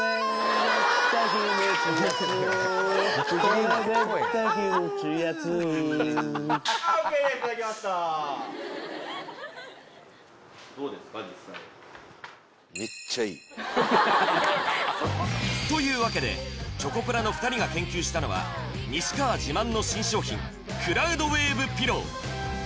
いただきましたというわけでチョコプラの２人が研究したのは西川自慢の新商品クラウドウェーブピロー